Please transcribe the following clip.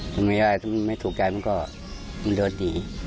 ถ้ามีอะไรถ้ามันไม่ถูกใจมันก็มันเดินหนี